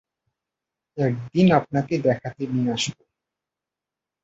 একদিন আপনাকে দেখাতে নিয়ে আসব।